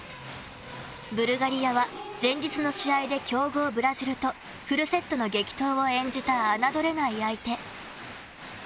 ブルガリアは前日の試合で強豪ブラジルとフルセットの激闘を演じた侮れない相手。